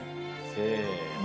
せの。